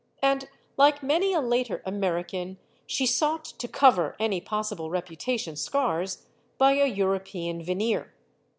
And, like many a later American, she sought to cover any possi ble reputation scars by a European veneer.